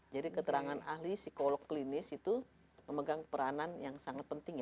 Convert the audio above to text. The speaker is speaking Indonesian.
jadi keterangan ahli psikolog klinis itu memegang peranan yang sangat penting ya